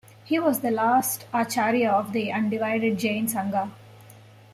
He was the last "acharya" of the undivided Jain "sangha".